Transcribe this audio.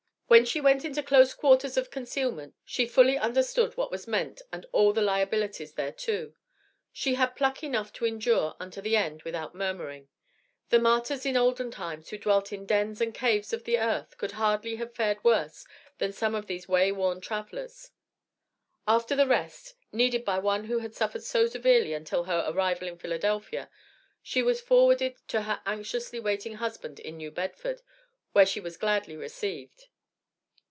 When she went into close quarters of concealment, she fully understood what was meant and all the liabilities thereto. She had pluck enough to endure unto the end without murmuring. The martyrs in olden times who dwelt in "dens and caves of the earth," could hardly have fared worse than some of these way worn travelers. After the rest, needed by one who had suffered so severely until her arrival in Philadelphia, she was forwarded to her anxiously waiting husband in New Bedford, where she was gladly received.